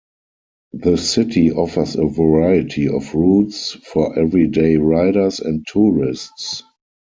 The city offers a variety of routes for everyday riders and tourists.